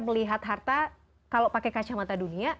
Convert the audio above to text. melihat harta kalau pakai kacamata dunia